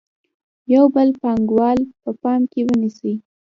یو بل پانګوال په پام کې ونیسئ